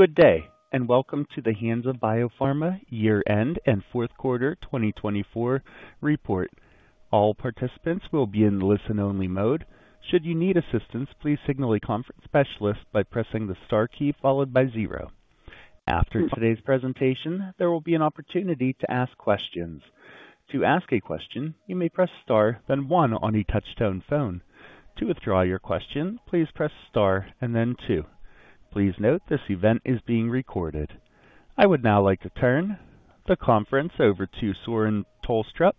Good day, and welcome to the Hansa Biopharma year-end and fourth quarter 2024 report. All participants will be in listen-only mode. Should you need assistance, please signal a conference specialist by pressing the star key followed by zero. After today's presentation, there will be an opportunity to ask questions. To ask a question, you may press star, then one on a touch-tone phone. To withdraw your question, please press star and then two. Please note this event is being recorded. I would now like to turn the conference over to Søren Tulstrup,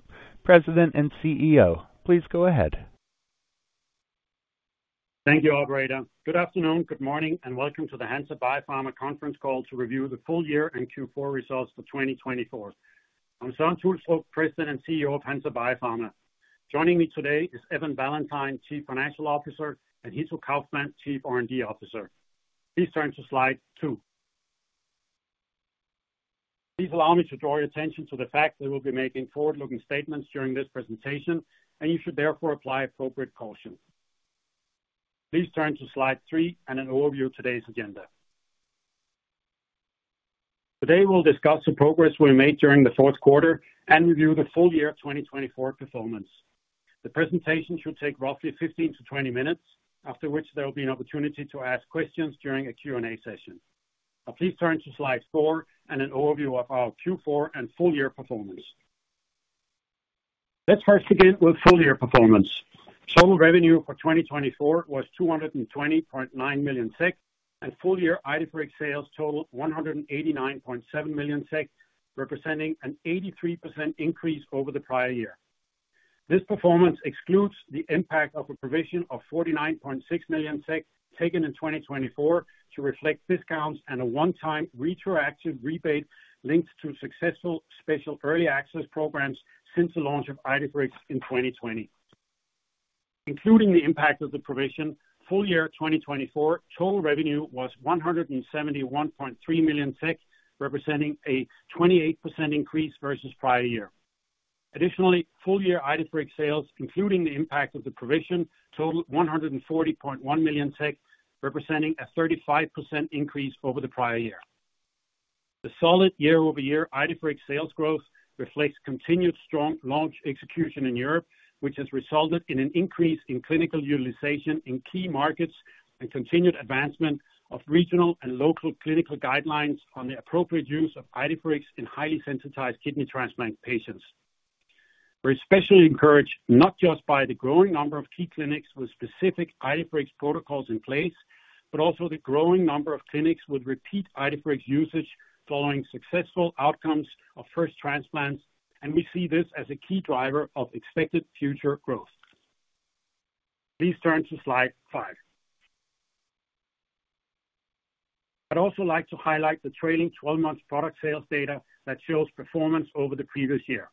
President and CEO. Please go ahead. Thank you, Albrecht. Good afternoon, good morning, and welcome to the Hansa Biopharma conference call to review the full year and Q4 results for 2024. I'm Søren Tulstrup, President and CEO of Hansa Biopharma. Joining me today is Evan Ballantyne, Chief Financial Officer, and Hitto Kaufmann, Chief R&D Officer. Please turn to slide two. Please allow me to draw your attention to the fact that we'll be making forward-looking statements during this presentation, and you should therefore apply appropriate caution. Please turn to slide three and an overview of today's agenda. Today, we'll discuss the progress we made during the fourth quarter and review the full year 2024 performance. The presentation should take roughly 15 to 20 minutes, after which there will be an opportunity to ask questions during a Q&A session. Now, please turn to slide four and an overview of our Q4 and full year performance. Let's first begin with full year performance. Total revenue for 2024 was 220.9 million SEK, and full year IDEFIRIX sales totaled 189.7 million SEK, representing an 83% increase over the prior year. This performance excludes the impact of a provision of 49.6 million SEK taken in 2024 to reflect discounts and a one-time retroactive rebate linked to successful special early access programs since the launch of IDEFIRIX in 2020. Including the impact of the provision, full year 2024 total revenue was 171.3 million SEK, representing a 28% increase versus prior year. Additionally, full year IDEFIRIX sales, including the impact of the provision, totaled 140.1 million, representing a 35% increase over the prior year. The solid year-over-year IDEFIRIX sales growth reflects continued strong launch execution in Europe, which has resulted in an increase in clinical utilization in key markets and continued advancement of regional and local clinical guidelines on the appropriate use of IDEFIRIX in highly sensitized kidney transplant patients. We're especially encouraged, not just by the growing number of key clinics with specific IDEFIRIX protocols in place, but also the growing number of clinics with repeat IDEFIRIX usage following successful outcomes of first transplants, and we see this as a key driver of expected future growth. Please turn to slide five. I'd also like to highlight the trailing 12-month product sales data that shows performance over the previous year.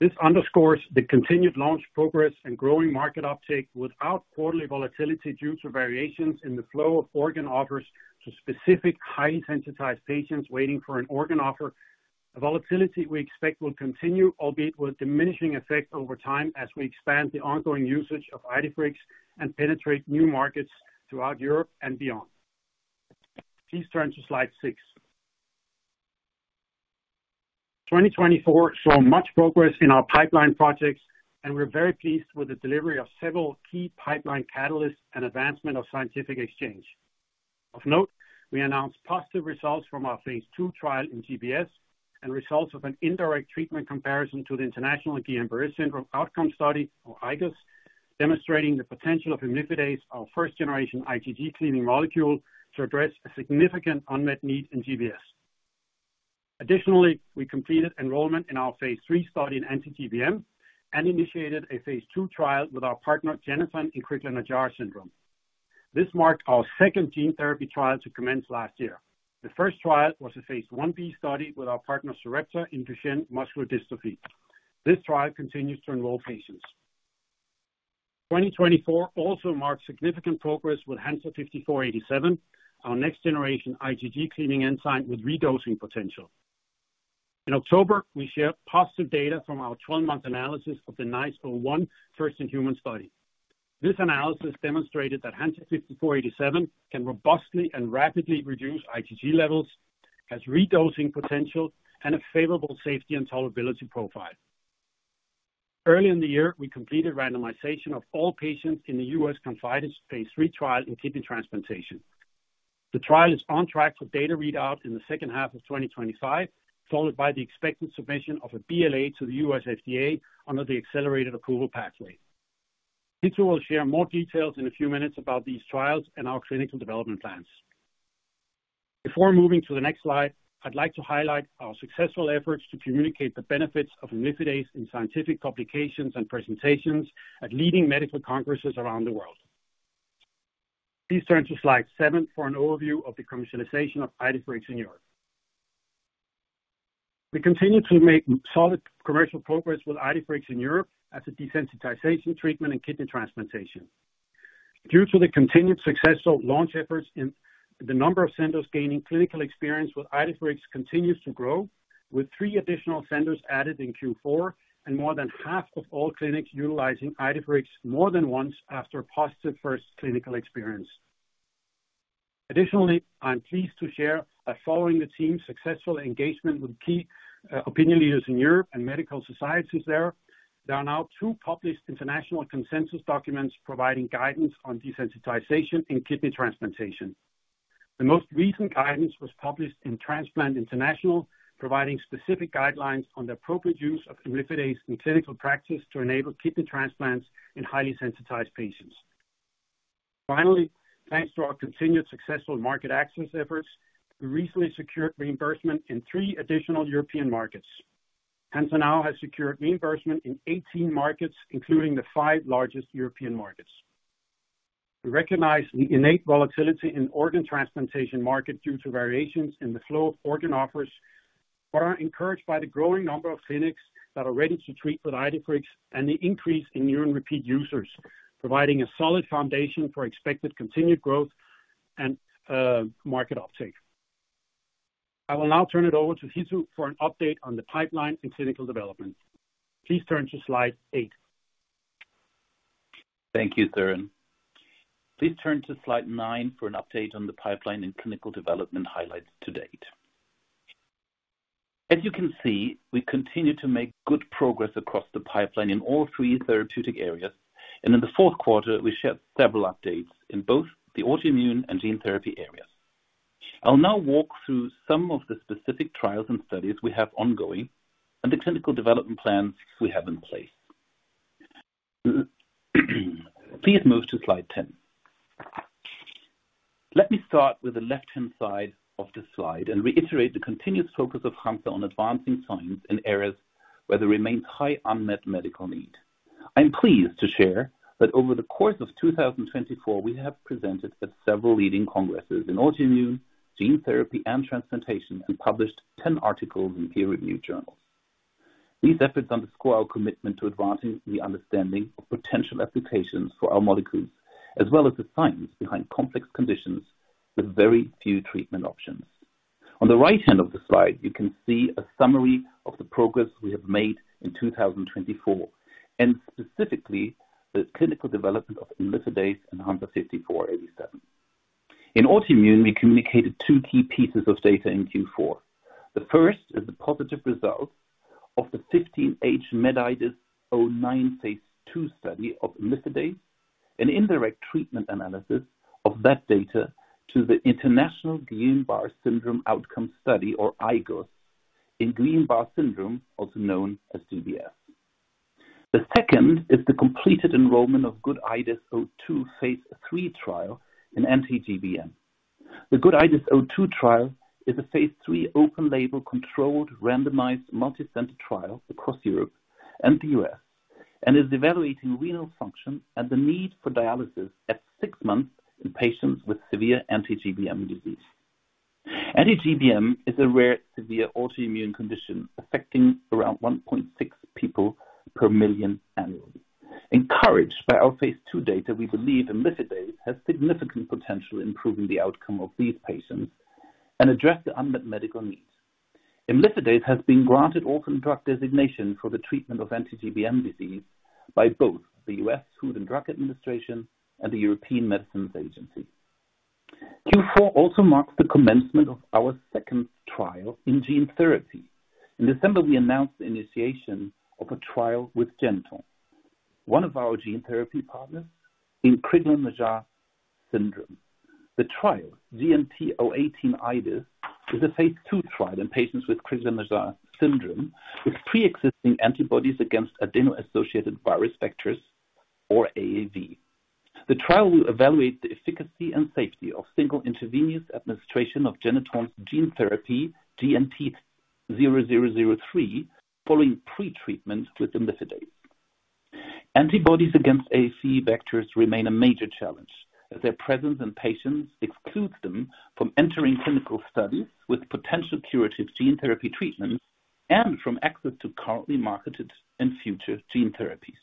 This underscores the continued launch progress and growing market uptake without quarterly volatility due to variations in the flow of organ offers to specific highly sensitized patients waiting for an organ offer, a volatility we expect will continue, albeit with diminishing effect over time as we expand the ongoing usage of IDEFIRIX and penetrate new markets throughout Europe and beyond. Please turn to slide six. 2024 saw much progress in our pipeline projects, and we're very pleased with the delivery of several key pipeline catalysts and advancement of scientific exchange. Of note, we announced positive results from our phase II trial in GBS and results of an indirect treatment comparison to the International Guillain-Barré Syndrome Outcome Study, or IGOS, demonstrating the potential of Imlifidase, our first-generation IgG cleaving molecule, to address a significant unmet need in GBS. Additionally, we completed enrollment in our phase III study in anti-GBM and initiated a phase II trial with our partner Genethon in Crigler-Najjar syndrome. This marked our second gene therapy trial to commence last year. The first trial was a phase I-B study with our partner Sarepta in Duchenne Muscular Dystrophy. This trial continues to enroll patients. 2024 also marked significant progress with HNSA-5487, our next-generation IgG cleaving enzyme with redosing potential. In October, we shared positive data from our 12-month analysis of the NICE-01 first-in-human study. This analysis demonstrated that HNSA-5487 can robustly and rapidly reduce IgG levels, has redosing potential, and a favorable safety and tolerability profile. Early in the year, we completed randomization of all patients in the U.S. ConfideS phase III trial in kidney transplantation. The trial is on track for data readout in the second half of 2025, followed by the expected submission of a BLA to the U.S. FDA under the accelerated approval pathway. Hitto will share more details in a few minutes about these trials and our clinical development plans. Before moving to the next slide, I'd like to highlight our successful efforts to communicate the benefits of Imlifidase in scientific publications and presentations at leading medical congresses around the world. Please turn to slide seven for an overview of the commercialization of IDEFIRIX in Europe. We continue to make solid commercial progress with IDEFIRIX in Europe as a desensitization treatment in kidney transplantation. Due to the continued successful launch efforts and the number of centers gaining clinical experience with IDEFIRIX continues to grow, with three additional centers added in Q4 and more than half of all clinics utilizing IDEFIRIX more than once after positive first clinical experience. Additionally, I'm pleased to share that following the team's successful engagement with key opinion leaders in Europe and medical societies there, there are now two published international consensus documents providing guidance on desensitization in kidney transplantation. The most recent guidance was published in Transplant International, providing specific guidelines on the appropriate use of Imlifidase in clinical practice to enable kidney transplants in highly sensitized patients. Finally, thanks to our continued successful market access efforts, we recently secured reimbursement in three additional European markets. Hansa now has secured reimbursement in 18 markets, including the five largest European markets. We recognize the innate volatility in organ transplantation market due to variations in the flow of organ offers, but are encouraged by the growing number of clinics that are ready to treat with IDEFIRIX and the increase in repeat users, providing a solid foundation for expected continued growth and market uptake. I will now turn it over to Hitto for an update on the pipeline and clinical development. Please turn to slide eight. Thank you, Søren. Please turn to slide nine for an update on the pipeline and clinical development highlights to date. As you can see, we continue to make good progress across the pipeline in all three therapeutic areas, and in the fourth quarter, we shared several updates in both the autoimmune and gene therapy areas. I will now walk through some of the specific trials and studies we have ongoing and the clinical development plans we have in place. Please move to slide 10. Let me start with the left-hand side of the slide and reiterate the continuous focus of Hansa on advancing science in areas where there remains high unmet medical need. I am pleased to share that over the course of 2024, we have presented at several leading congresses in autoimmune, gene therapy, and transplantation and published 10 articles in peer-reviewed journals. These efforts underscore our commitment to advancing the understanding of potential applications for our molecules, as well as the science behind complex conditions with very few treatment options. On the right-hand of the slide, you can see a summary of the progress we have made in 2024, and specifically the clinical development of Imlifidase and HNSA-5487. In autoimmune, we communicated two key pieces of data in Q4. The first is the positive result of the 15-HMEDIDES-09 phase II study of imlifidase and indirect treatment analysis of that data to the International Guillain-Barré Outcome Study, or IGOS, in Guillain-Barré Syndrome, also known as GBS. The second is the completed enrollment of GOOD-IDES-02 phase III trial in anti-GBM. The GOOD-IDES-02 trial is a phase III open-label controlled randomized multicenter trial across Europe and the U.S. and is evaluating renal function and the need for dialysis at six months in patients with severe anti-GBM disease. Anti-GBM is a rare severe autoimmune condition affecting around 1.6 people per million annually. Encouraged by our phase II data, we believe Imlifidase has significant potential in improving the outcome of these patients and addressing the unmet medical needs. Imlifidase has been granted Orphan drug designation for the treatment of anti-GBM disease by both the U.S. Food and Drug Administration and the European Medicines Agency. Q4 also marks the commencement of our second trial in gene therapy. In December, we announced the initiation of a trial with Genethon, one of our gene therapy partners in Crigler-Najjar syndrome. The trial, GNT-018-IDAS, is a phase II trial in patients with Crigler-Najjar syndrome with pre-existing antibodies against adeno-associated virus vectors, or AAV. The trial will evaluate the efficacy and safety of single intravenous administration of Genethon's gene therapy, GNT-0003, following pretreatment with imlifidase. Antibodies against AAV vectors remain a major challenge as their presence in patients excludes them from entering clinical studies with potential curative gene therapy treatments and from access to currently marketed and future gene therapies.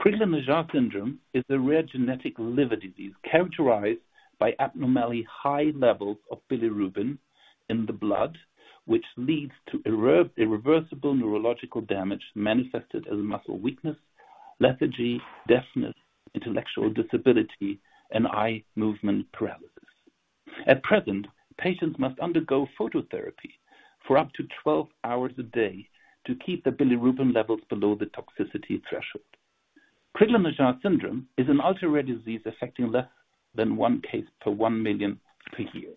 Crigler-Najjar syndrome is a rare genetic liver disease characterized by abnormally high levels of bilirubin in the blood, which leads to irreversible neurological damage manifested as muscle weakness, lethargy, deafness, intellectual disability, and eye movement paralysis. At present, patients must undergo phototherapy for up to 12 hours a day to keep the bilirubin levels below the toxicity threshold. Crigler-Najjar syndrome is an ultra-rare disease affecting less than one case per one million per year.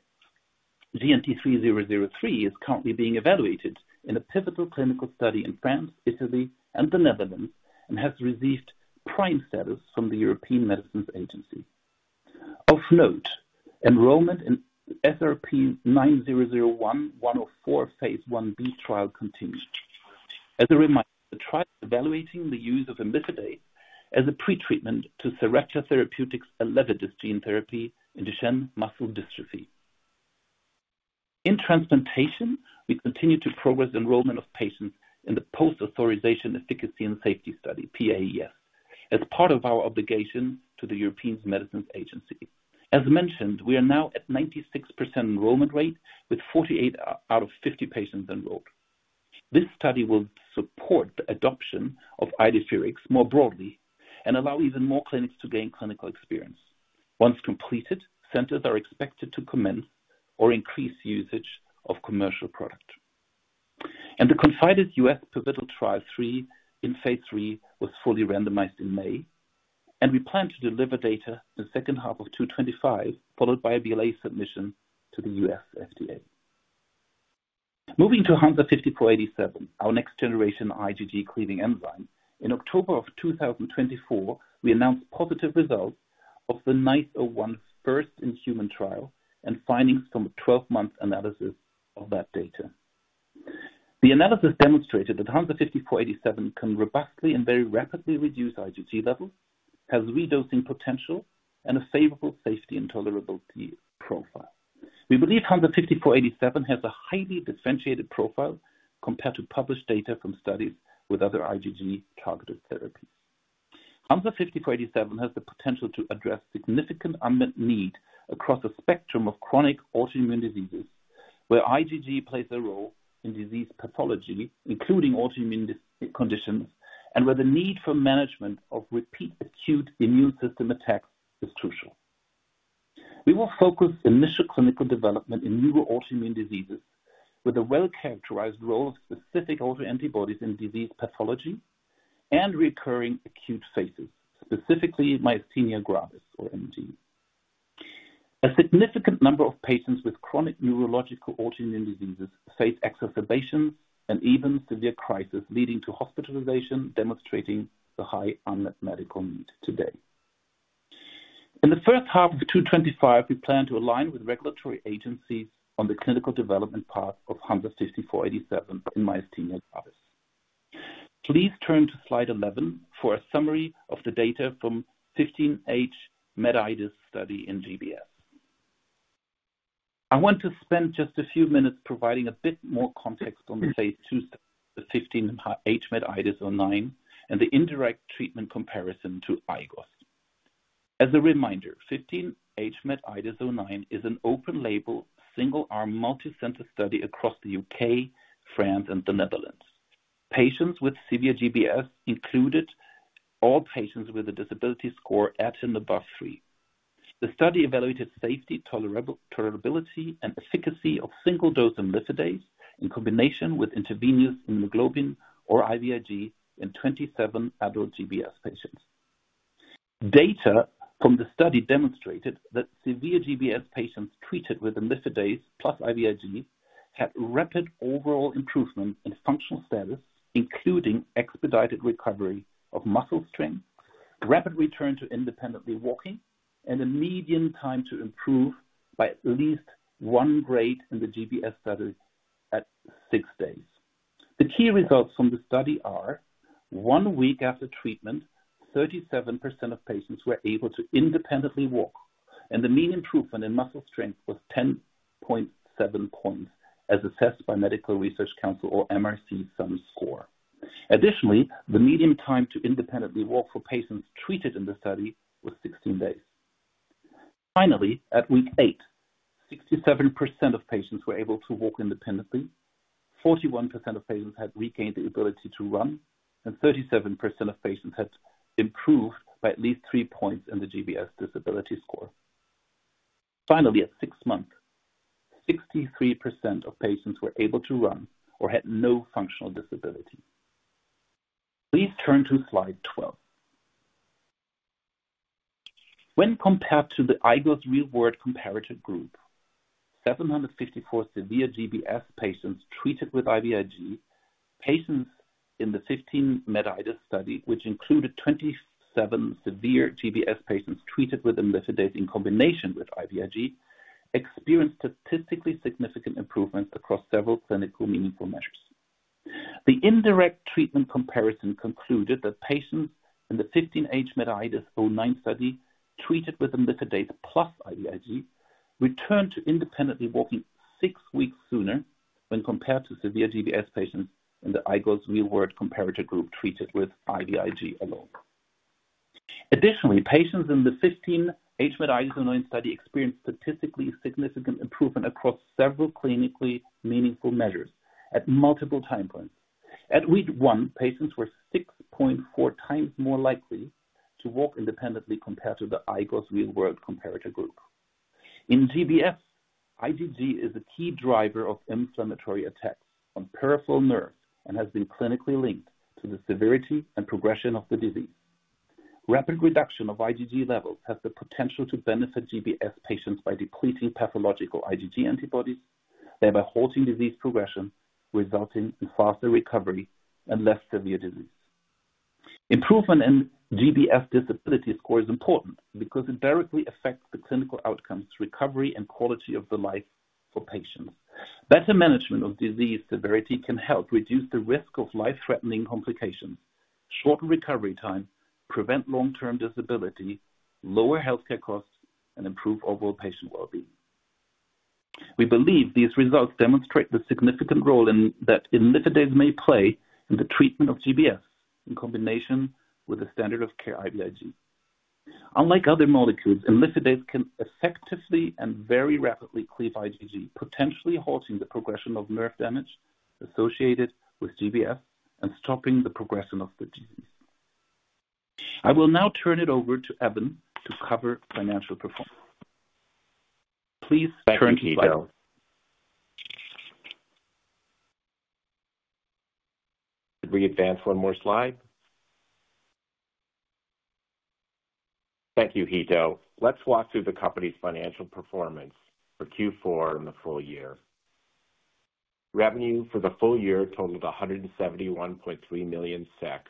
GNT-0003 is currently being evaluated in a pivotal clinical study in France, Italy, and the Netherlands and has received PRIME status from the European Medicines Agency. Of note, enrollment in SRP-9001-104 phase I-B trial continues. As a reminder, the trial is evaluating the use of Imlifidase as a pretreatment to Sarepta Therapeutics' Elevidys gene therapy in Duchenne Muscular Dystrophy. In transplantation, we continue to progress enrollment of patients in the post-authorization efficacy and safety study, PAES, as part of our obligation to the European Medicines Agency. As mentioned, we are now at a 96% enrollment rate with 48 out of 50 patients enrolled. This study will support the adoption of IDEFIRIX more broadly and allow even more clinics to gain clinical experience. Once completed, centers are expected to commence or increase usage of commercial product. The ConfideS U.S. pivotal trial in phase III was fully randomized in May, and we plan to deliver data in the second half of 2025, followed by a BLA submission to the U.S. FDA. Moving to HNSA-5487, our next-generation IgG cleaving enzyme, in October of 2024, we announced positive results of the NICE-01 first-in-human trial and findings from a 12-month analysis of that data. The analysis demonstrated that HNSA-5487 can robustly and very rapidly reduce IgG levels, has redosing potential, and a favorable safety and tolerability profile. We believe HNSA-5487 has a highly differentiated profile compared to published data from studies with other IgG targeted therapies. HNSA-5487 has the potential to address significant unmet need across a spectrum of chronic autoimmune diseases where IgG plays a role in disease pathology, including autoimmune conditions, and where the need for management of repeat acute immune system attacks is crucial. We will focus initial clinical development in newer autoimmune diseases with a well-characterized role of specific autoantibodies in disease pathology and recurring acute phases, specifically Myasthenia gravis, or MG. A significant number of patients with chronic neurological autoimmune diseases face exacerbations and even severe crises leading to hospitalization, demonstrating the high unmet medical need today. In the first half of 2025, we plan to align with regulatory agencies on the clinical development path of HNSA-5487 in Myasthenia gravis. Please turn to slide 11 for a summary of the data from 15-HMEDIDES-09 study in GBS. I want to spend just a few minutes providing a bit more context on the phase II study, the 15-HMEDIDES-09, and the indirect treatment comparison to IGOS. As a reminder, 15-HMEDIDES-09 is an open-label single-arm multicenter study across the U.K., France, and the Netherlands. Patients with severe GBS included all patients with a disability score at and above three. The study evaluated safety, tolerability, and efficacy of single-dose Imlifidase in combination with intravenous immunoglobulin or IVIg in 27 adult GBS patients. Data from the study demonstrated that severe GBS patients treated with Imlifidase plus IVIg had rapid overall improvement in functional status, including expedited recovery of muscle strength, rapid return to independently walking, and a median time to improve by at least one grade in the GBS study at six days. The key results from the study are: one week after treatment, 37% of patients were able to independently walk, and the mean improvement in muscle strength was 10.7 points as assessed by Medical Research Council, or MRC sumscore. Additionally, the median time to independently walk for patients treated in the study was 16 days. Finally, at week eight, 67% of patients were able to walk independently, 41% of patients had regained the ability to run, and 37% of patients had improved by at least three points in the GBS disability score. Finally, at six months, 63% of patients were able to run or had no functional disability. Please turn to slide 12. When compared to the IGOS Reward Comparator group, 754 severe GBS patients treated with IVIg, patients in the 15-HMEDIDES-09 study, which included 27 severe GBS patients treated with Imlifidase in combination with IVIg, experienced statistically significant improvements across several clinically meaningful measures. The indirect treatment comparison concluded that patients in the 15-HMEDIDES-09 study treated with Imlifidase plus IVIg returned to independently walking six weeks sooner when compared to severe GBS patients in the IGOS Reward Comparator group treated with IVIg alone. Additionally, patients in the 15-HMEDIDES-09 study experienced statistically significant improvement across several clinically meaningful measures at multiple time points. At week one, patients were 6.4 times more likely to walk independently compared to the IGOS Reward Comparator group. In GBS, IgG is a key driver of inflammatory attacks on peripheral nerves and has been clinically linked to the severity and progression of the disease. Rapid reduction of IgG levels has the potential to benefit GBS patients by depleting pathological IgG antibodies, thereby halting disease progression, resulting in faster recovery and less severe disease. Improvement in GBS disability score is important because it directly affects the clinical outcomes, recovery, and quality of life for patients. Better management of disease severity can help reduce the risk of life-threatening complications, shorten recovery time, prevent long-term disability, lower healthcare costs, and improve overall patient well-being. We believe these results demonstrate the significant role that Imlifidase may play in the treatment of GBS in combination with the standard of care IVIg. Unlike other molecules, Imlifidase can effectively and very rapidly cleave IgG, potentially halting the progression of nerve damage associated with GBS and stopping the progression of the disease. I will now turn it over to Evan to cover financial performance. Please turn to slides. Can we advance one more slide? Thank you, Hitto. Let's walk through the company's financial performance for Q4 and the full year. Revenue for the full year totaled 171.3 million SEK,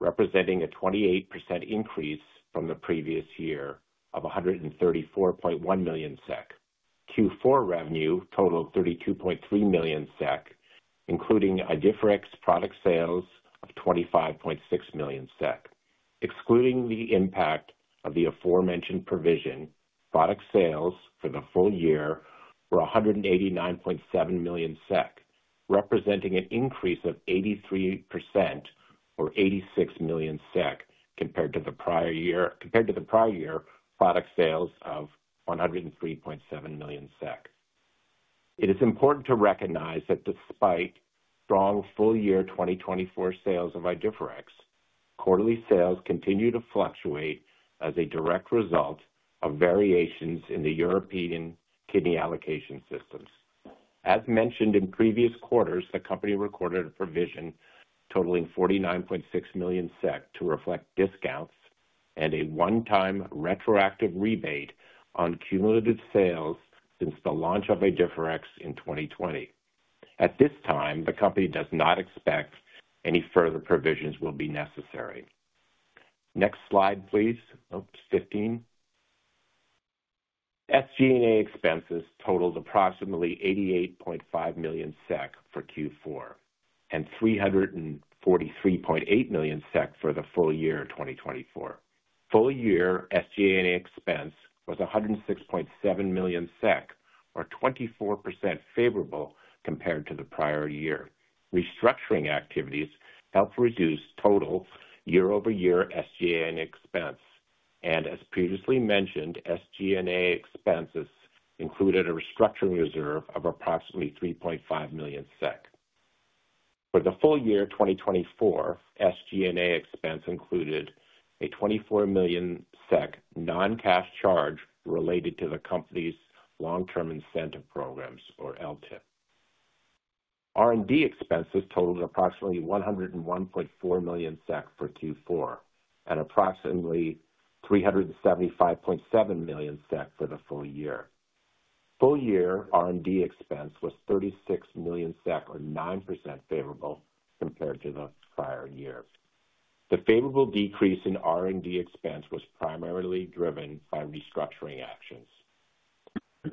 representing a 28% increase from the previous year of 134.1 million SEK. Q4 revenue totaled 32.3 million SEK, including IDEFIRIX product sales of 25.6 million SEK. Excluding the impact of the aforementioned provision, product sales for the full year were 189.7 million SEK, representing an increase of 83% or 86 million SEK compared to the prior year product sales of 103.7 million SEK. It is important to recognize that despite strong full-year 2024 sales of IDEFIRIX, quarterly sales continue to fluctuate as a direct result of variations in the European kidney allocation systems. As mentioned in previous quarters, the company recorded a provision totaling 49.6 million SEK to reflect discounts and a one-time retroactive rebate on cumulative sales since the launch of IDEFIRIX in 2020. At this time, the company does not expect any further provisions will be necessary. Next slide, please. Oops, 15. SG&A expenses totaled approximately 88.5 million SEK for Q4 and 343.8 million SEK for the full year 2024. Full-year SG&A expense was 106.7 million SEK, or 24% favorable compared to the prior year. Restructuring activities helped reduce total year-over-year SG&A expense. As previously mentioned, SG&A expenses included a restructuring reserve of approximately 3.5 million SEK. For the full year 2024, SG&A expense included a 24 million SEK non-cash charge related to the company's long-term incentive programs, or LTIP. R&D expenses totaled approximately 101.4 million SEK for Q4 and approximately 375.7 million SEK for the full year. Full-year R&D expense was 36 million SEK, or 9% favorable compared to the prior year. The favorable decrease in R&D expense was primarily driven by restructuring actions.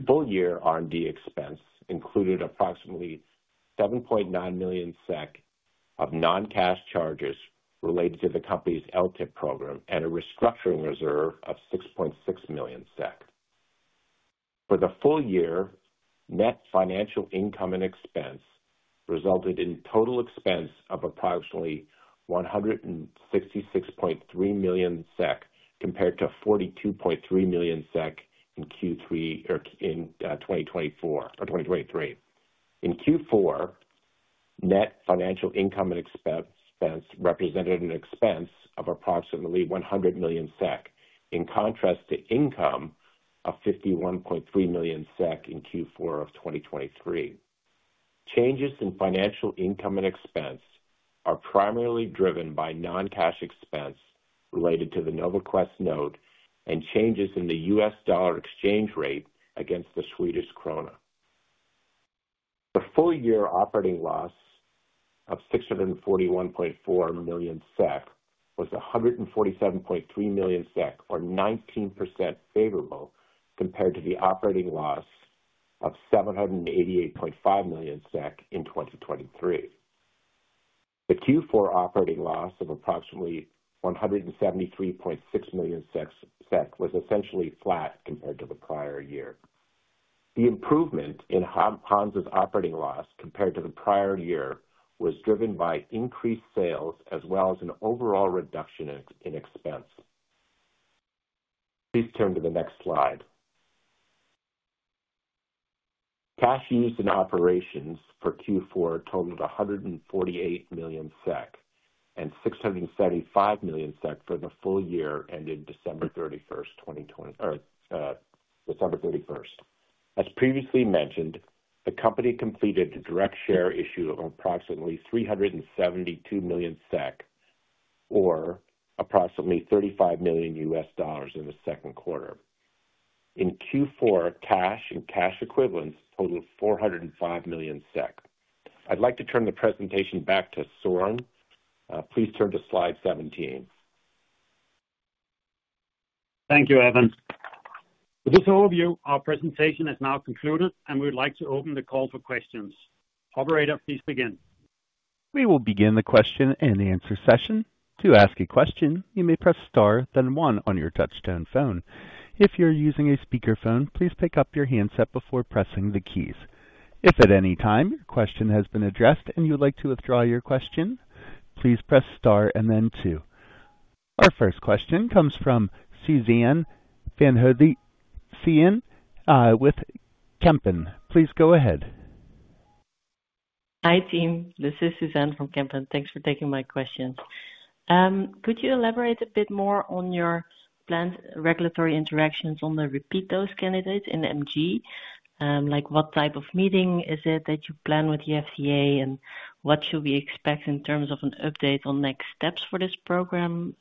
Full-year R&D expense included approximately 7.9 million SEK of non-cash charges related to the company's LTIP program and a restructuring reserve of 6.6 million SEK. For the full year, net financial income and expense resulted in total expense of approximately 166.3 million SEK compared to 42.3 million SEK in Q3 or in 2024 or 2023. In Q4, net financial income and expense represented an expense of approximately 100 million SEK in contrast to income of 51.3 million SEK in Q4 of 2023. Changes in financial income and expense are primarily driven by non-cash expense related to the NovaQuest note and changes in the U.S. dollar exchange rate against the Swedish krona. The full-year operating loss of 641.4 million SEK was 147.3 million SEK, or 19% favorable compared to the operating loss of 788.5 million SEK in 2023. The Q4 operating loss of approximately 173.6 million SEK was essentially flat compared to the prior year. The improvement in Hansa Biopharma's operating loss compared to the prior year was driven by increased sales as well as an overall reduction in expense. Please turn to the next slide. Cash used in operations for Q4 totaled 148 million SEK and 675 million SEK for the full year ended December 31, 2023. As previously mentioned, the company completed a direct share issue of approximately 372 million SEK, or approximately $35 million in the second quarter. In Q4, cash and cash equivalents totaled 405 million SEK. I'd like to turn the presentation back to Søren. Please turn to slide 17. Thank you, Evan. With this overview, our presentation is now concluded, and we'd like to open the call for questions. Operator, please begin. We will begin the question and answer session. To ask a question, you may press star, then one on your touch-tone phone. If you're using a speakerphone, please pick up your handset before pressing the keys. If at any time your question has been addressed and you'd like to withdraw your question, please press star and then two. Our first question comes from Suzanne van Voorthuizen with Kempen. Please go ahead. Hi team. This is Suzanne from Kempen. Thanks for taking my questions. Could you elaborate a bit more on your planned regulatory interactions on the repeat dose candidates in MG? Like what type of meeting is it that you plan with the FDA, and what should we expect in terms of an update on next steps for this program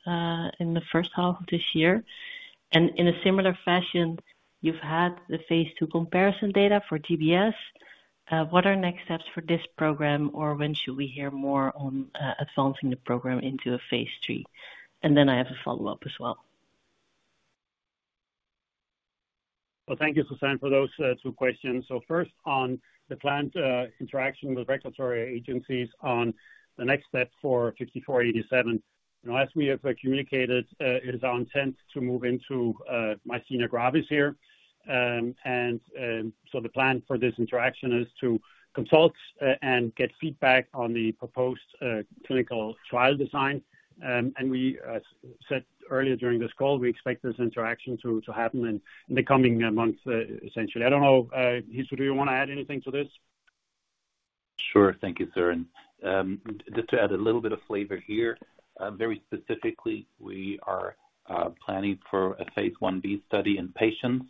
in the first half of this year? In a similar fashion, you've had the phase II comparison data for GBS. What are next steps for this program, or when should we hear more on advancing the program into a phase III? I have a follow-up as well. Thank you, Suzanne, for those two questions. First, on the planned interaction with regulatory agencies on the next step for HNSA-5487. As we have communicated, it is our intent to move into myasthenia gravis here. The plan for this interaction is to consult and get feedback on the proposed clinical trial design. We said earlier during this call, we expect this interaction to happen in the coming months, essentially. I don't know, Hitto, do you want to add anything to this? Sure. Thank you, Søren. Just to add a little bit of flavor here, very specifically, we are planning for a phase I-B study in patients.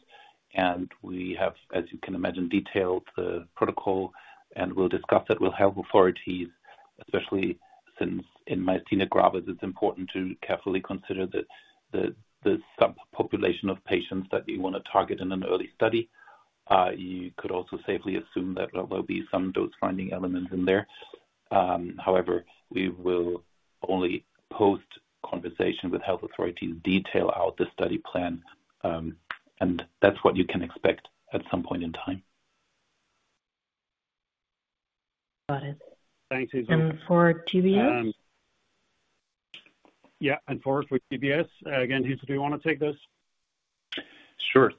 We have, as you can imagine, detailed the protocol, and we'll discuss that with health authorities, especially since in my senior grammars, it's important to carefully consider the subpopulation of patients that you want to target in an early study. You could also safely assume that there will be some dose-finding elements in there. However, we will only post conversation with health authorities, detail out the study plan, and that's what you can expect at some point in time. Got it. Thank you. For GBS? Yeah, and for GBS, again, Hitto, do you want to take this? Sure.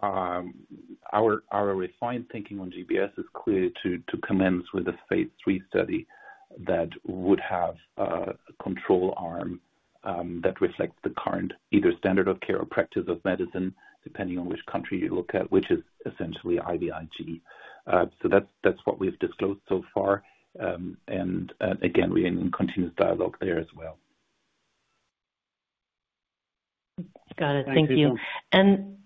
Our refined thinking on GBS is clearly to commence with a phase III study that would have a control arm that reflects the current either standard of care or practice of medicine, depending on which country you look at, which is essentially IVIg. That is what we've disclosed so far. Again, we're in continuous dialogue there as well. Got it. Thank you.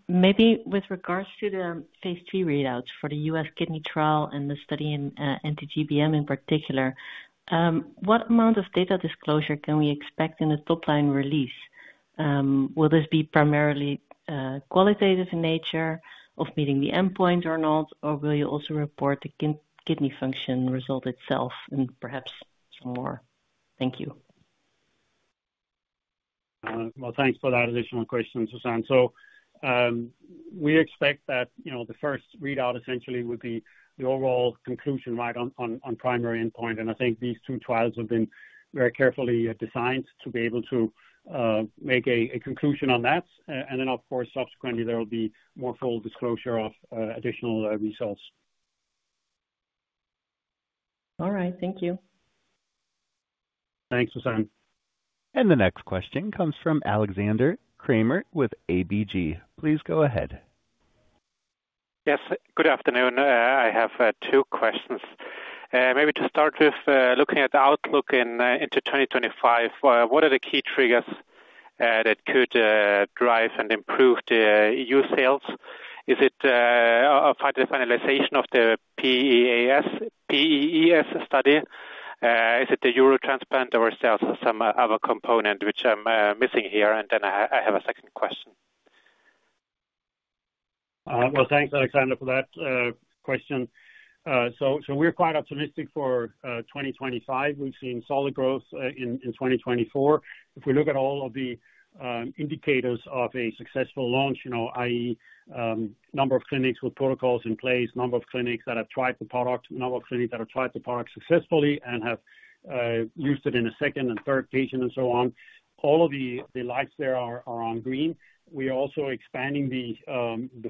Maybe with regards to the phase II readouts for the U.S. kidney trial and the study in anti-GBM in particular, what amount of data disclosure can we expect in the top-line release? Will this be primarily qualitative in nature of meeting the endpoint or not, or will you also report the kidney function result itself and perhaps some more? Thank you. Thanks for that additional question, Suzanne. We expect that the first readout essentially would be the overall conclusion right on primary endpoint. I think these two trials have been very carefully designed to be able to make a conclusion on that. Of course, subsequently, there will be more full disclosure of additional results. All right. Thank you. Thanks, Suzanne. The next question comes from Alexander Krämer with ABG. Please go ahead. Yes. Good afternoon. I have two questions. Maybe to start with, looking at the outlook into 2025, what are the key triggers that could drive and improve the EU sales? Is it a finalization of the PAES study? Is it the Eurotransplant or is there some other component which I'm missing here? I have a second question. Thanks, Alexander, for that question. We are quite optimistic for 2025. We have seen solid growth in 2024. If we look at all of the indicators of a successful launch, i.e., number of clinics with protocols in place, number of clinics that have tried the product, number of clinics that have tried the product successfully and have used it in a second and third patient, and so on, all of the lights there are on green. We are also expanding the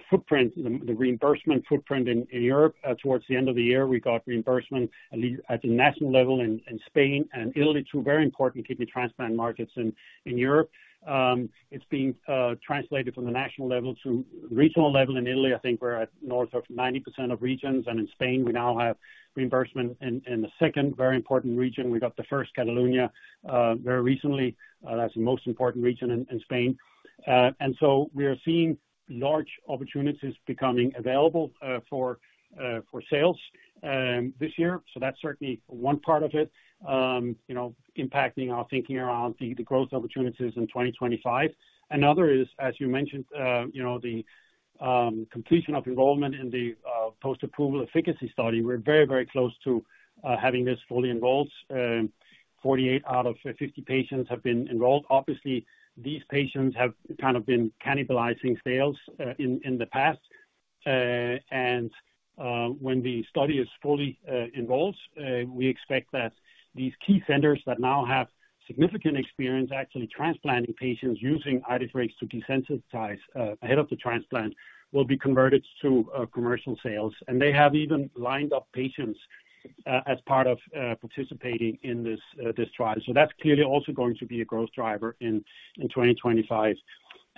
footprint, the reimbursement footprint in Europe. Towards the end of the year, we got reimbursement at the national level in Spain and Italy, two very important kidney transplant markets in Europe. It's being translated from the national level to regional level in Italy. I think we're at north of 90% of regions. In Spain, we now have reimbursement in the second very important region. We got the first, Catalonia, very recently. That's the most important region in Spain. We are seeing large opportunities becoming available for sales this year. That is certainly one part of it, impacting our thinking around the growth opportunities in 2025. Another is, as you mentioned, the completion of enrollment in the post-approval efficacy study. We are very, very close to having this fully enrolled. 48 out of 50 patients have been enrolled. Obviously, these patients have kind of been cannibalizing sales in the past. When the study is fully enrolled, we expect that these key centers that now have significant experience actually transplanting patients using IDEFIRIX to desensitize ahead of the transplant will be converted to commercial sales. They have even lined up patients as part of participating in this trial. That is clearly also going to be a growth driver in 2025.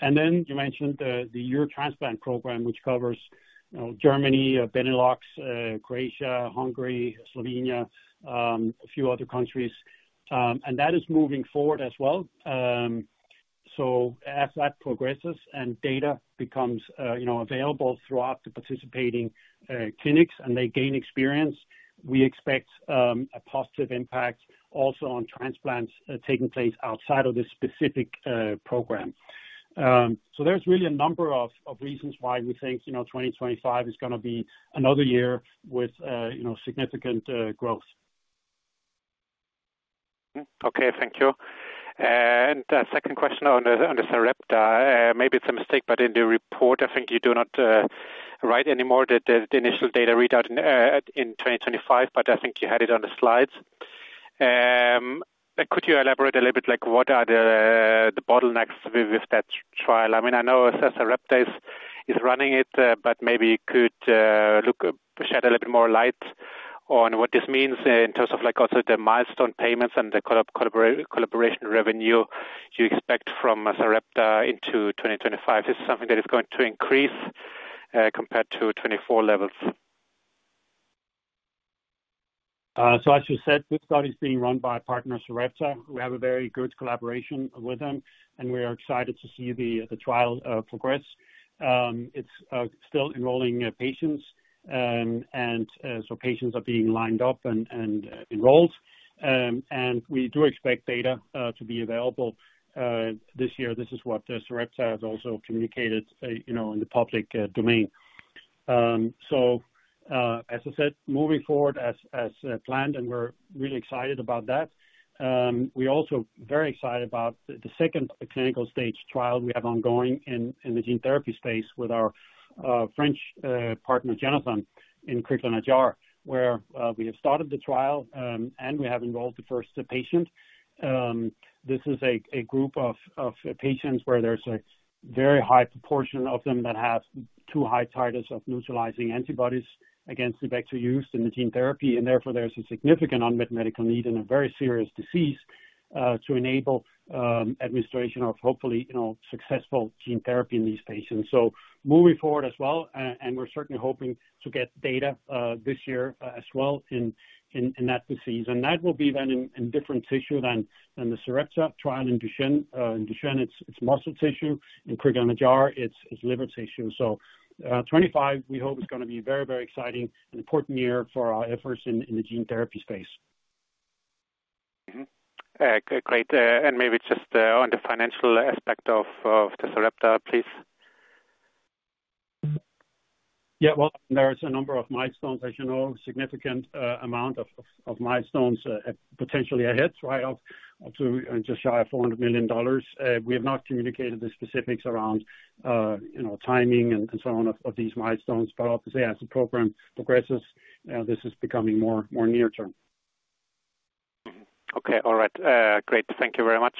You mentioned the Eurotransplant Program, which covers Germany, Benelux, Croatia, Hungary, Slovenia, a few other countries. That is moving forward as well. As that progresses and data becomes available throughout the participating clinics and they gain experience, we expect a positive impact also on transplants taking place outside of this specific program. There are really a number of reasons why we think 2025 is going to be another year with significant growth. Thank you. Second question on the rep. Maybe it's a mistake, but in the report, I think you do not write anymore the initial data readout in 2025, but I think you had it on the slides. Could you elaborate a little bit? What are the bottlenecks with that trial? I mean, I know Sarepta is running it, but maybe you could shed a little bit more light on what this means in terms of also the milestone payments and the collaboration revenue you expect from Sarepta into 2025. Is this something that is going to increase compared to 2024 levels? As you said, this study is being run by partners Sarepta. We have a very good collaboration with them, and we are excited to see the trial progress. It's still enrolling patients, and patients are being lined up and enrolled. We do expect data to be available this year. This is what Sarepta has also communicated in the public domain. As I said, moving forward as planned, and we're really excited about that. We're also very excited about the second clinical stage trial we have ongoing in the gene therapy space with our French partner, Genethon, in Crigler-Najjar, where we have started the trial and we have enrolled the first patient. This is a group of patients where there's a very high proportion of them that have too high titers of neutralizing antibodies against the vector used in the gene therapy. Therefore, there's a significant unmet medical need in a very serious disease to enable administration of hopefully successful gene therapy in these patients. Moving forward as well, we're certainly hoping to get data this year as well in that disease. That will be then in different tissue than the Sarepta trial in Duchenne. In Duchenne, it's muscle tissue. In Crigler-Najjar, it's liver tissue. 2025, we hope, is going to be a very, very exciting and important year for our efforts in the gene therapy space. Great. Maybe just on the financial aspect of the Sarepta, please. Yeah. There is a number of milestones, as you know, significant amount of milestones potentially ahead, right, up to just shy of $400 million. We have not communicated the specifics around timing and so on of these milestones. Obviously, as the program progresses, this is becoming more near term. Okay. All right. Great. Thank you very much.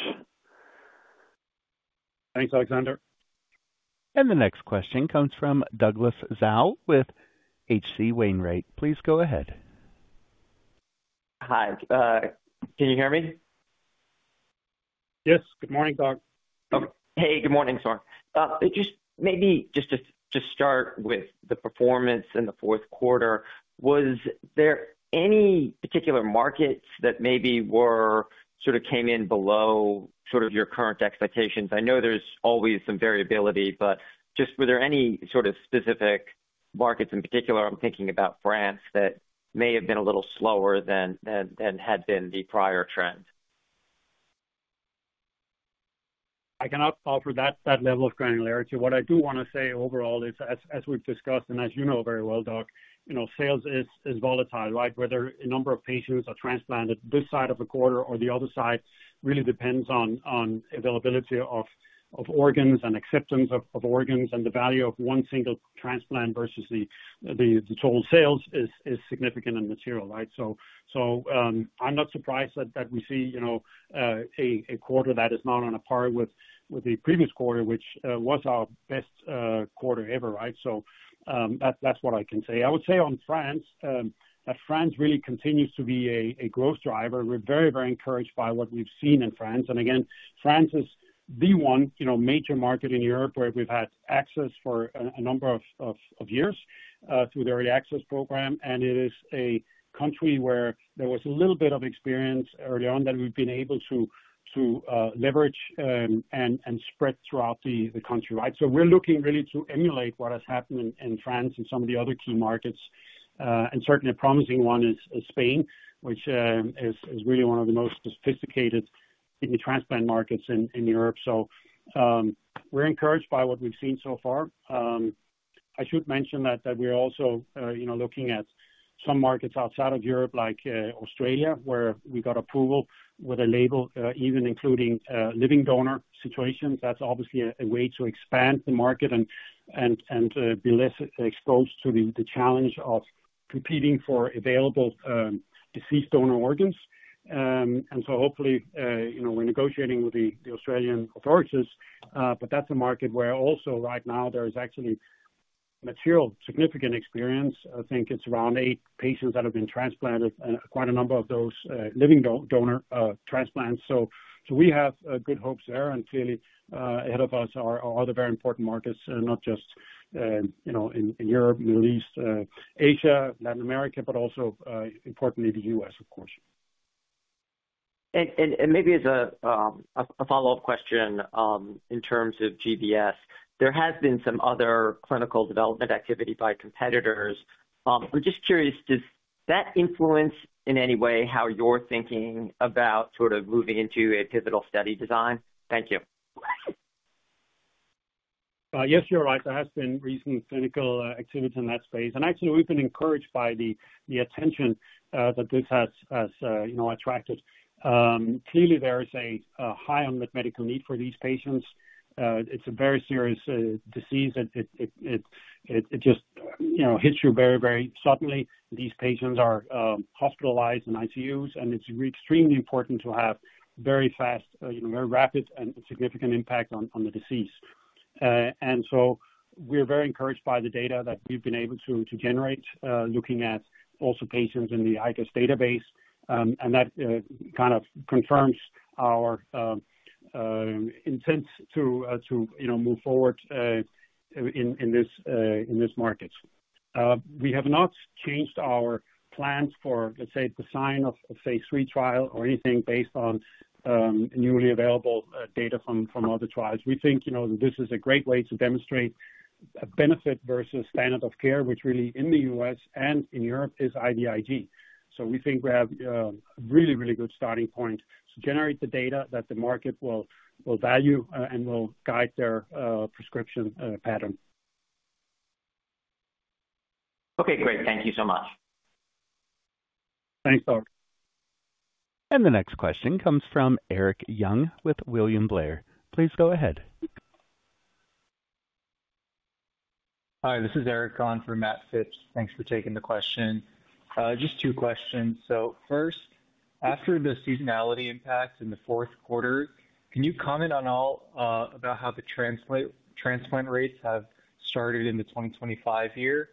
Thanks, Alexander. The next question comes from Douglas Tsao with H.C. Wainwright. Please go ahead. Hi. Can you hear me? Yes. Good morning, Doug. Hey, good morning, Søren. Maybe just to start with the performance in the fourth quarter, was there any particular markets that maybe came in below your current expectations? I know there's always some variability, but just were there any specific markets in particular, I'm thinking about France, that may have been a little slower than had been the prior trend? I cannot offer that level of granularity. What I do want to say overall is, as we've discussed and as you know very well, Doug, sales is volatile, right? Whether a number of patients are transplanted this side of the quarter or the other side really depends on availability of organs and acceptance of organs. The value of one single transplant versus the total sales is significant and material, right? I'm not surprised that we see a quarter that is not on a par with the previous quarter, which was our best quarter ever, right? That's what I can say. I would say on France, that France really continues to be a growth driver. We're very, very encouraged by what we've seen in France. France is the one major market in Europe where we've had access for a number of years through the early access program. It is a country where there was a little bit of experience early on that we've been able to leverage and spread throughout the country, right? We're looking really to emulate what has happened in France and some of the other key markets. Certainly, a promising one is Spain, which is really one of the most sophisticated kidney transplant markets in Europe. We're encouraged by what we've seen so far. I should mention that we're also looking at some markets outside of Europe, like Australia, where we got approval with a label, even including living donor situations. That's obviously a way to expand the market and be less exposed to the challenge of competing for available deceased donor organs. Hopefully, we're negotiating with the Australian authorities. That's a market where also right now there is actually material, significant experience. I think it's around eight patients that have been transplanted, quite a number of those living donor transplants. We have good hopes there. Clearly, ahead of us are other very important markets, not just in Europe, Middle East, Asia, Latin America, but also, importantly, the U.S., of course. Maybe as a follow-up question, in terms of GBS, there has been some other clinical development activity by competitors. I'm just curious, does that influence in any way how you're thinking about moving into a pivotal study design? Thank you. Yes, you're right. There has been recent clinical activity in that space. Actually, we've been encouraged by the attention that this has attracted. Clearly, there is a high unmet medical need for these patients. It's a very serious disease. It just hits you very, very suddenly. These patients are hospitalized in ICUs. It's extremely important to have very fast, very rapid, and significant impact on the disease. We're very encouraged by the data that we've been able to generate, looking at also patients in the IGOS database. That kind of confirms our intent to move forward in this market. We have not changed our plans for, let's say, the design of phase III trial or anything based on newly available data from other trials. We think this is a great way to demonstrate a benefit versus standard of care, which really in the U.S. and in Europe is IVIg. We think we have a really, really good starting point to generate the data that the market will value and will guide their prescription pattern. Okay. Great. Thank you so much. Thanks, Doug. The next question comes from Eric Yeung with William Blair. Please go ahead. Hi. This is Eric on for Matt Phipps. Thanks for taking the question. Just two questions. First, after the seasonality impact in the fourth quarter, can you comment at all about how the transplant rates have started in the 2025 year?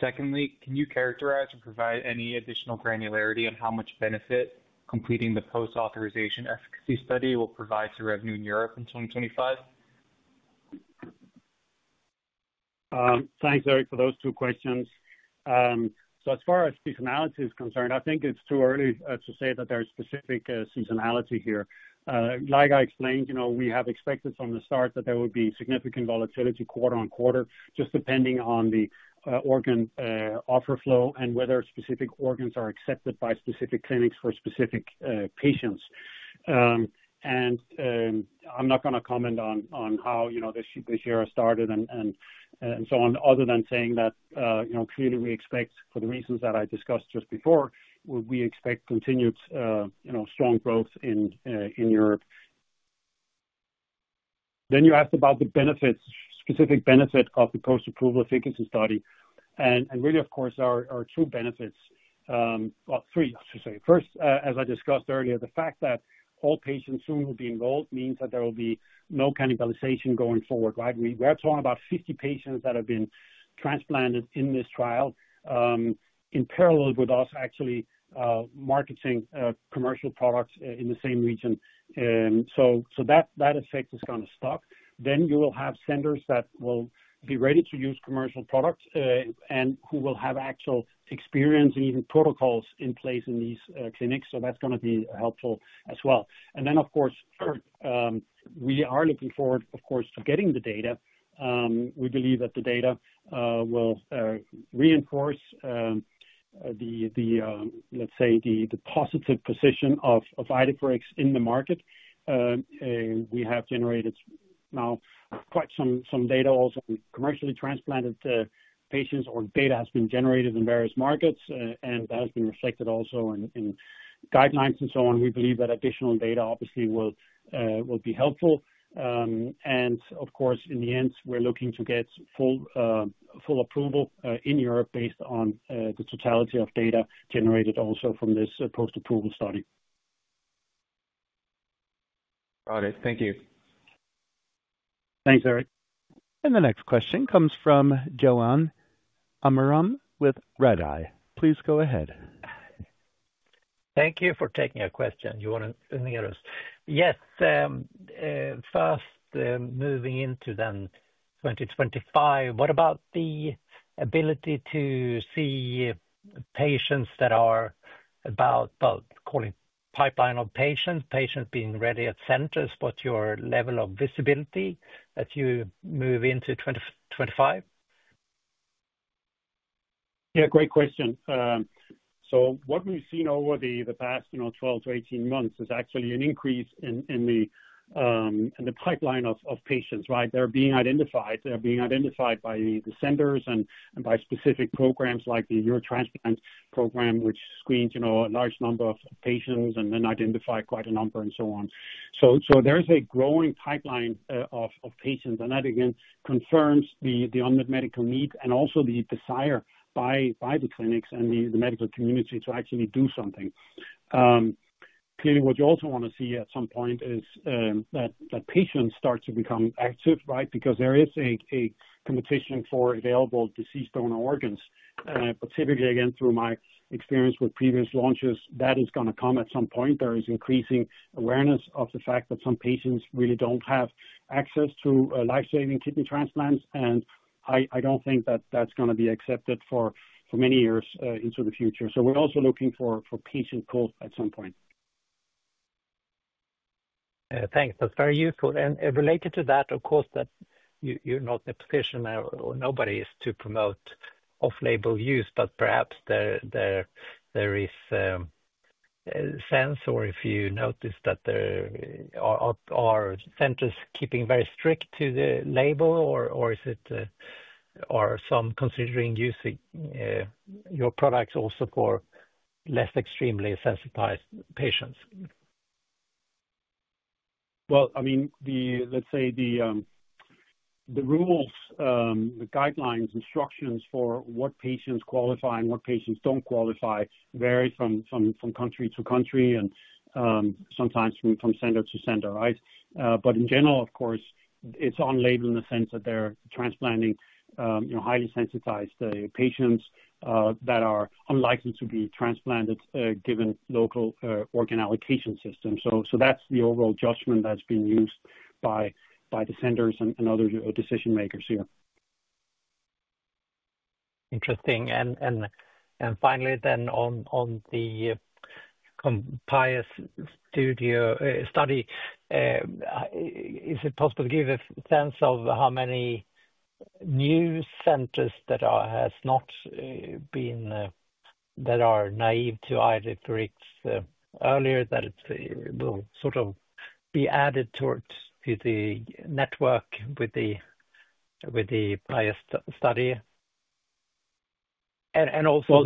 Secondly, can you characterize or provide any additional granularity on how much benefit completing the post-authorization efficacy study will provide to revenue in Europe in 2025? Thanks, Eric, for those two questions. As far as seasonality is concerned, I think it's too early to say that there's specific seasonality here. Like I explained, we have expected from the start that there would be significant volatility quarter on quarter, just depending on the organ offer flow and whether specific organs are accepted by specific clinics for specific patients. I am not going to comment on how this year has started and so on, other than saying that clearly we expect, for the reasons that I discussed just before, we expect continued strong growth in Europe. You asked about the specific benefit of the post-approval efficacy study. Really, of course, our true benefits, well, three, I should say. First, as I discussed earlier, the fact that all patients soon will be enrolled means that there will be no cannibalization going forward, right? We are talking about 50 patients that have been transplanted in this trial in parallel with us actually marketing commercial products in the same region. That effect is going to stop. You will have centers that will be ready to use commercial products and who will have actual experience and even protocols in place in these clinics. That is going to be helpful as well. Of course, third, we are looking forward, of course, to getting the data. We believe that the data will reinforce, let's say, the positive position of IDEFIRIX in the market. We have generated now quite some data also on commercially transplanted patients, or data has been generated in various markets, and that has been reflected also in guidelines and so on. We believe that additional data obviously will be helpful. Of course, in the end, we're looking to get full approval in Europe based on the totality of data generated also from this post-approval study. Got it. Thank you. Thanks, Eric. The next question comes from (Johan Amiram) with Redeye. Please go ahead. Thank you for taking a question. Do you want to end the interview? Yes. First, moving into then 2025, what about the ability to see patients that are about, well, calling pipeline of patients, patients being ready at centers, what's your level of visibility as you move into 2025? Yeah. Great question. What we've seen over the past 12 to 18 months is actually an increase in the pipeline of patients, right? They're being identified. They're being identified by the centers and by specific programs like the Eurotransplant Program, which screens a large number of patients and then identifies quite a number and so on. There is a growing pipeline of patients. That, again, confirms the unmet medical need and also the desire by the clinics and the medical community to actually do something. Clearly, what you also want to see at some point is that patients start to become active, right? Because there is a competition for available deceased donor organs. Typically, again, through my experience with previous launches, that is going to come at some point. There is increasing awareness of the fact that some patients really do not have access to life-saving kidney transplants. I do not think that that is going to be accepted for many years into the future. We are also looking for patient calls at some point. Thanks. That is very useful. Related to that, of course, you are not in the position or nobody is to promote off-label use, but perhaps there is a sense or if you notice that there are centers keeping very strict to the label, or are some considering using your products also for less extremely sensitized patients? I mean, let's say the rules, the guidelines, instructions for what patients qualify and what patients don't qualify vary from country to country and sometimes from center to center, right? In general, of course, it's on label in the sense that they're transplanting highly sensitized patients that are unlikely to be transplanted given local organ allocation systems. That's the overall judgment that's been used by the centers and other decision-makers here. Interesting. Finally, then on the compliance study, is it possible to give a sense of how many new centers that have not been, that are naive to IDEFIRIX earlier, that will sort of be added to the network with the prior study? Also,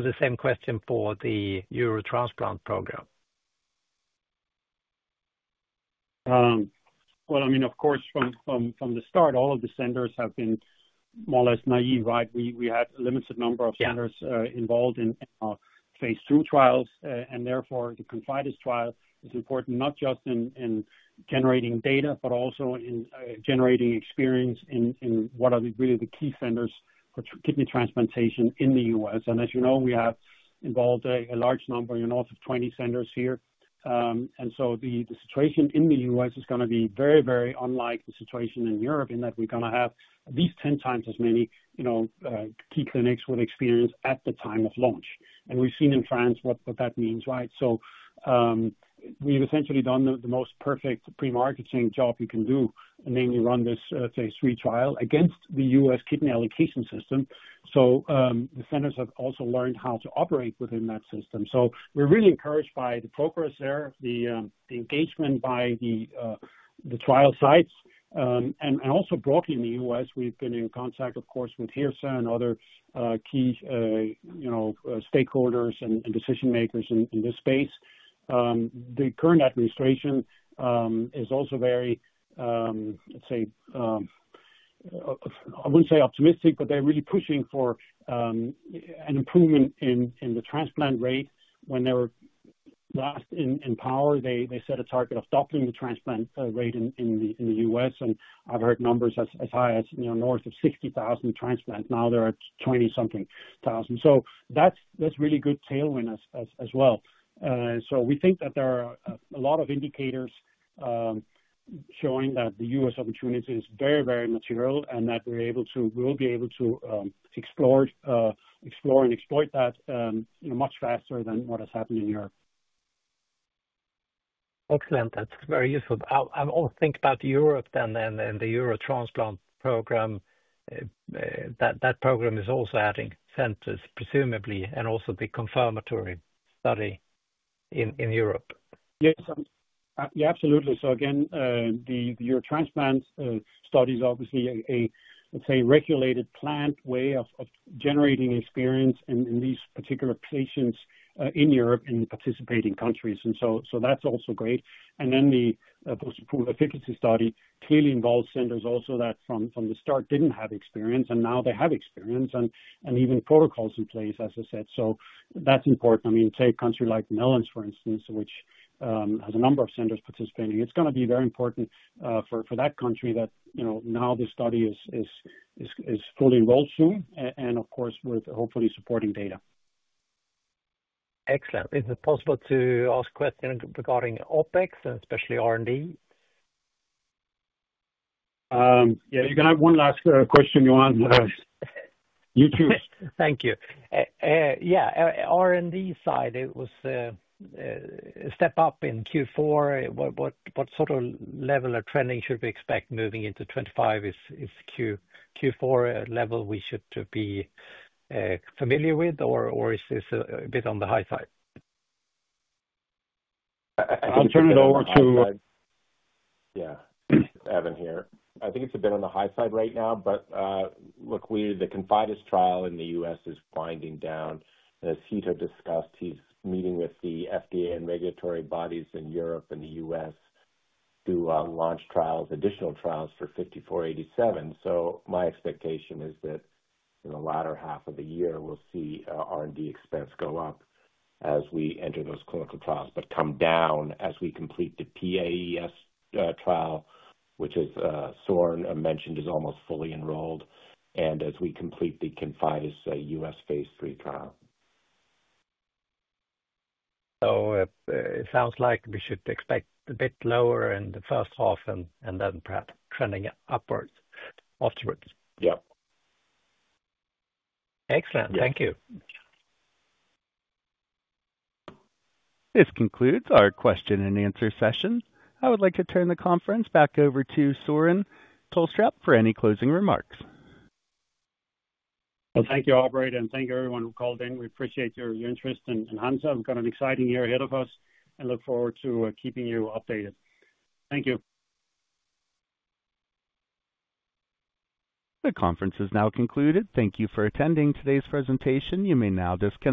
the same question for the Eurotransplant Program. I mean, of course, from the start, all of the centers have been more or less naive, right? We had a limited number of centers involved in our phase II trials. Therefore, the compliance trial is important not just in generating data, but also in generating experience in what are really the key centers for kidney transplantation in the U.S. As you know, we have involved a large number, almost 20 centers here. The situation in the U.S. is going to be very, very unlike the situation in Europe in that we're going to have at least 10 times as many key clinics with experience at the time of launch. We've seen in France what that means, right? We've essentially done the most perfect pre-marketing job you can do, namely run this, say, three trial against the U.S. kidney allocation system. The centers have also learned how to operate within that system. We are really encouraged by the progress there, the engagement by the trial sites. Also, broadly in the U.S., we have been in contact, of course, with HRSA and other key stakeholders and decision-makers in this space. The current administration is also very, let's say, I would not say optimistic, but they are really pushing for an improvement in the transplant rate. When they were last in power, they set a target of doubling the transplant rate in the U.S. I have heard numbers as high as north of 60,000 transplants. Now there are 20-something thousand. That is really good tailwind as well. We think that there are a lot of indicators showing that the U.S. opportunity is very, very material and that we're able to, we'll be able to explore and exploit that much faster than what has happened in Europe. Excellent. That's very useful. I'll think about Europe then and the Eurotransplant Program. That program is also adding centers, presumably, and also the confirmatory study in Europe. Yes. Absolutely. Again, the Eurotransplant study is obviously a, let's say, regulated planned way of generating experience in these particular patients in Europe and in participating countries. That's also great. The post-approval efficacy study clearly involves centers also that from the start didn't have experience, and now they have experience and even protocols in place, as I said. That's important. I mean, say a country like Netherlands, for instance, which has a number of centers participating. It's going to be very important for that country that now the study is fully enrolled soon and, of course, with hopefully supporting data. Excellent. Is it possible to ask a question regarding OpEx and especially R&D? Yeah. You can have one last question, Johan. You choose. Thank you. Yeah. R&D side, it was a step up in Q4. What sort of level of trending should we expect moving into 2025? Is Q4 level we should be familiar with, or is this a bit on the high side? I'll turn it over to. Yeah. Evan here. I think it's a bit on the high side right now, but look, the ConfideS trial in the U.S. is winding down. As Hitto discussed, he's meeting with the FDA and regulatory bodies in Europe and the U.S. to launch additional trials for HNSA-5487. My expectation is that in the latter half of the year, we will see R&D expense go up as we enter those clinical trials, but come down as we complete the PAES trial, which, as Søren mentioned, is almost fully enrolled. As we complete the ConfideS U.S. phase III trial, it sounds like we should expect a bit lower in the first half and then perhaps trending upwards afterwards. Yep. Excellent. Thank you. This concludes our question and answer session. I would like to turn the conference back over to Søren Tulstrup for any closing remarks. Thank you, Albert, and thank you, everyone who called in. We appreciate your interest. At Hansa, we have got an exciting year ahead of us and look forward to keeping you updated. Thank you. The conference is now concluded. Thank you for attending today's presentation. You may now disconnect.